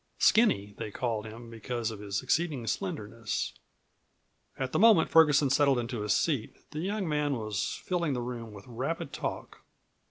"Skinny" they called him because of his exceeding slenderness. At the moment Ferguson settled into his seat the young man was filling the room with rapid talk.